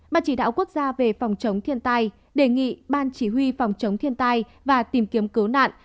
ban chỉ đạo quốc gia về phòng chống thiên tai đề nghị ban chỉ huy phòng chống thiên tai và tìm kiếm cứu nạn